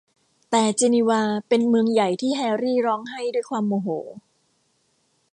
แต่เจนีวาเป็นเมืองใหญ่ที่แฮร์รี่ร้องไห้ด้วยความโมโห